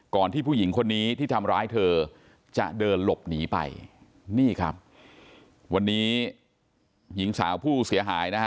ที่ผู้หญิงคนนี้ที่ทำร้ายเธอจะเดินหลบหนีไปนี่ครับวันนี้หญิงสาวผู้เสียหายนะฮะ